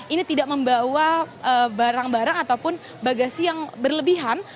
ini tidak membawa barang barang ataupun bagasi yang berlebihan